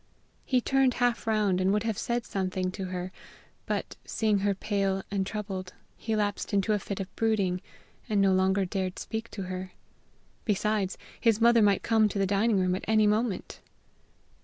He turned half round, and would have said something to her, but, seeing her pale and troubled, he lapsed into a fit of brooding, and no longer dared speak to her. Besides, his mother might come to the dining room at any moment!